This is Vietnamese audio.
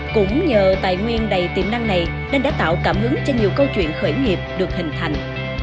cũng nhờ tài nguyên đầy tiềm năng này nên đã tạo cảm hứng cho nhiều câu chuyện khởi nghiệp được hình thành